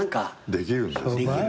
できるんですね。